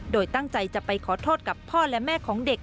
โดยตั้งใจจะไปขอโทษกับพ่อและแม่ของเด็ก